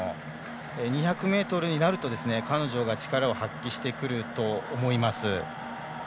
２００ｍになると彼女が力が発揮してくると思います。